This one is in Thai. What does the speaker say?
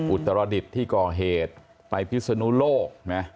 อุตรดิษฐ์ที่ก่อเหตุไปพิศนุโลกนะ